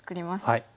はい。